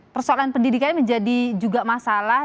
persoalan pendidikan menjadi juga masalah